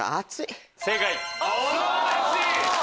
素晴らしい！